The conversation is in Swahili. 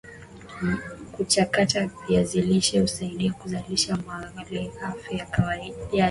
kuchakata viazi lishe husaidia Kuzalisha malighafi ya viwanda